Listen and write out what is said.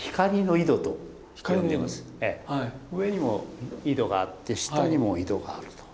上にも井戸があって下にも井戸があると。